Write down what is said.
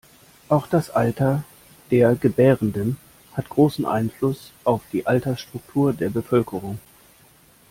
Auch das Alter der Gebärenden hat großen Einfluss auf die Altersstruktur der Bevölkerung.